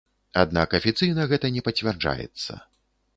Аднак афіцыйна гэта не пацвярджаецца.